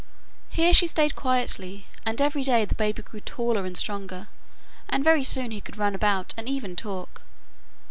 Here she stayed quietly, and every day the baby grew taller and stronger, and very soon he could run about and even talk.